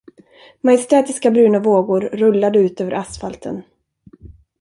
Majestätiska bruna vågor rullade ut över asfalten.